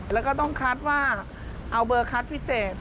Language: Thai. แล้วก็ต้องคัดว่าเอาเบอร์คัดพิเศษ